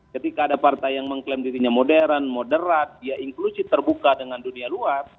ketika ada partai yang mengklaim dirinya modern moderat dia inklusif terbuka dengan dunia luar